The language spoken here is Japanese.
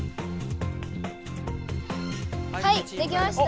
はいできました。